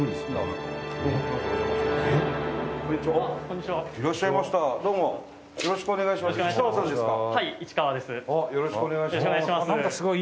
よろしくお願いします。